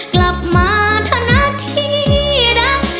กลับมาเธอหน้าที่ดัก